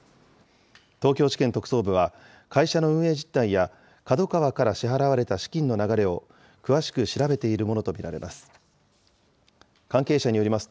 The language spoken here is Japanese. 東京地検特捜部は会社の運営実態やＫＡＤＯＫＡＷＡから支払われた資金の流れを、詳しく調べているものと見られます。